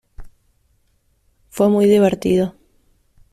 Fue muy divertido".